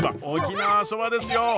沖縄そばですよ！